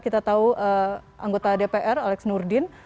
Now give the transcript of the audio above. kita tahu anggota dpr alex nurdin